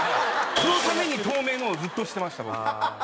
そのために透明のをずっとしてました僕。